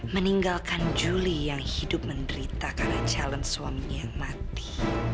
meninggalkan juli yang hidup menderita karena calon suaminya mati